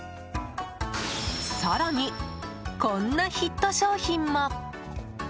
更に、こんなヒット商品も。